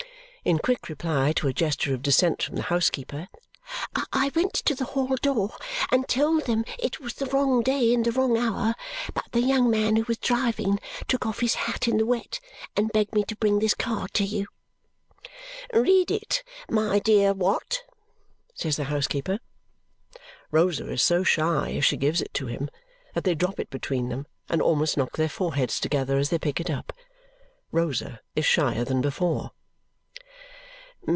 in quick reply to a gesture of dissent from the housekeeper. "I went to the hall door and told them it was the wrong day and the wrong hour, but the young man who was driving took off his hat in the wet and begged me to bring this card to you." "Read it, my dear Watt," says the housekeeper. Rosa is so shy as she gives it to him that they drop it between them and almost knock their foreheads together as they pick it up. Rosa is shyer than before.